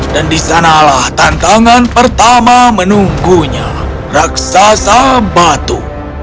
dan disanalah tantangan pertama menunggunya raksasa batu